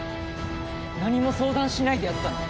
何も相談しないでやったの？